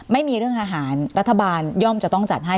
ไม่มีเรื่องอาหารรัฐบาลย่อมจะต้องจัดให้